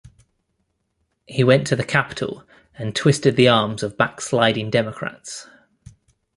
He went to the Capitol and twisted the arms of backsliding Democrats.